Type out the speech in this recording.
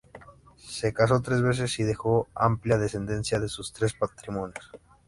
Se casó tres veces y dejó amplia descendencia de sus tres matrimonios.